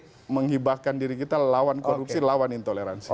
kita sudah menghibahkan diri kita lawan korupsi lawan intoleransi